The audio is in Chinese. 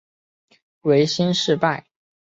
维新事败。